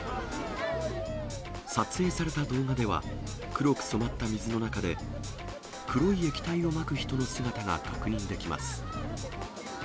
撮影された動画では、黒く染まった水の中で、黒い液体をまく人の姿が確認できます。